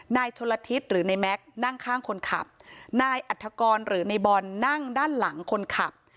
นายชนละทิศหรือในแม็กซ์นั่งข้างคนขับนายอัฐกรหรือในบอลนั่งด้านหลังคนขับ